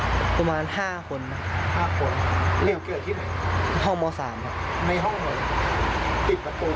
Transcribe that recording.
ขาวตารักวาศัยเขาไง